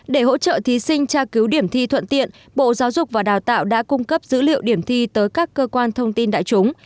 để hỗ trợ thí sinh tra cứu điểm thi thuận tiện bộ giáo dục và đào tạo đã cung cấp dữ liệu điểm thi tới các cơ quan thông tin đại chúng